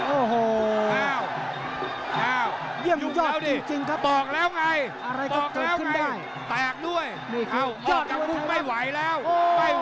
โอ้โหอ้าวอ้าวยุ่งแล้วดิตอกแล้วไงตอกแล้วไงแตกด้วยอ้าวออกกับพุทธไม่ไหวแล้วไม่ไหว